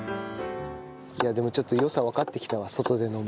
いやでもちょっと良さわかってきたわ外で飲む。